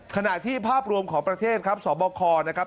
ขณะที่ภาพรวมของประเทศครับสบคนะครับ